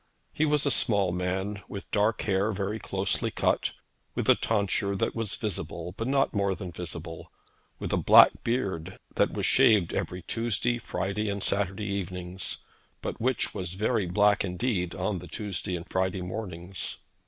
He was a small man, with dark hair very closely cut, with a tonsure that was visible but not more than visible; with a black beard that was shaved every Tuesday, Friday, and Saturday evenings, but which was very black indeed on the Tuesday and Friday mornings.